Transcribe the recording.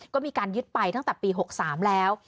ก็มีการยึดไปตั้งแต่ปี๖๓แล้ว